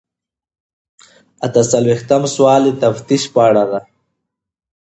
اته څلویښتم سوال د تفتیش په اړه دی.